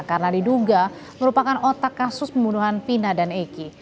karena diduga merupakan otak kasus pembunuhan vina dan eki